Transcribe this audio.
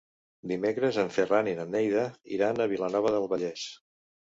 Dimecres en Ferran i na Neida iran a Vilanova del Vallès.